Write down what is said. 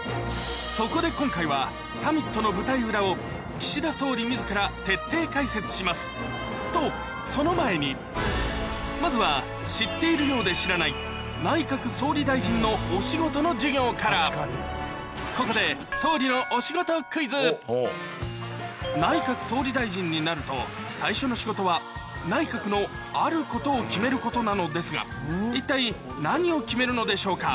そこで今回はサミットの舞台裏を岸田総理自ら徹底解説しますとその前にまずは知っているようで知らない内閣総理大臣のお仕事の授業からここで内閣総理大臣になると一体何を決めるのでしょうか？